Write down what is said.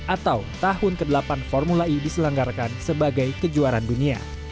atau tahun ke delapan formula e diselenggarkan sebagai kejuaraan dunia